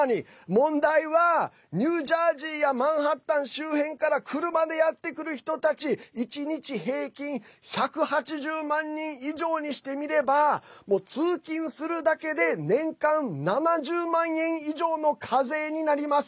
問題はニュージャージーやマンハッタン周辺から車でやって来る人たち１日平均１８０万人以上にしてみればもう通勤するだけで年間７０万円以上の課税になります。